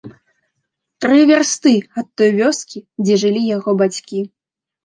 Тры вярсты ад той вёскі, дзе жылі яго бацькі.